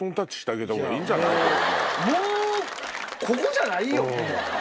もうここじゃないよね。